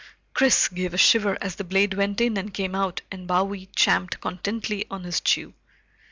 Chris gave a shiver as the blade went in and came out and Bowie champed contentedly on his chew.